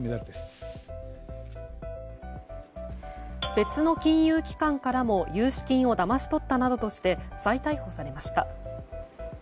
別の金融機関からも融資金をだまし取ったなどとして再逮捕されました。